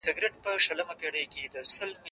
زه کولای سم ليکنه وکړم!.